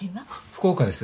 福岡です。